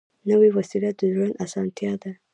نوې وسیله د ژوند اسانتیا ده